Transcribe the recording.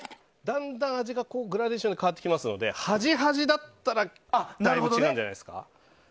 だんだん味がグラデーションで変わってきますので端と端だったらだいぶ違うんじゃないですか。